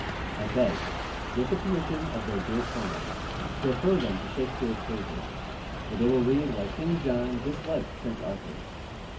I beg (with the permission of their dear parents) to refer them to Shakespeare's pages, where they will read why King John disliked Prince Arthur.